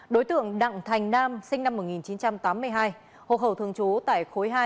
đối tượng đặng thành nam sinh năm một nghìn chín trăm tám mươi hai hộ khẩu thường trú tại khối hai